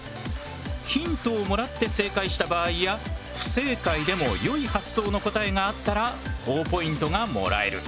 ヒントをもらって正解した場合や不正解でも良い発想の答えがあったらほぉポイントがもらえる。